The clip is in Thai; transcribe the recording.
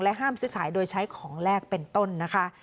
ห้ามซื้อขายโดยใช้ของแลกเป็นต้นนะคะ